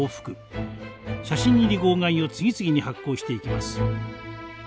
写真入り号外を次々に発行していきます。